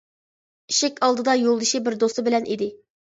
ئىشىك ئالدىدا يولدىشى بىر دوستى بىلەن ئىدى.